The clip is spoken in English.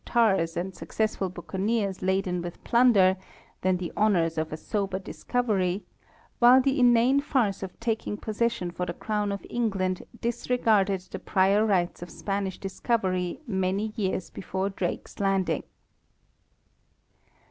tars and successful buccaneers laden with plunder, than the honors of a sober discovery, while the inane farce of taking pos session for the crown of England disregarded the prior rights of Spanish discovery many years before Drake's landing.